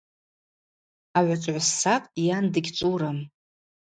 Агӏвычӏвгӏвыс сакъ йан дыгьчӏвурым.